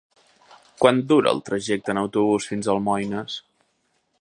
Quant dura el trajecte en autobús fins a Almoines?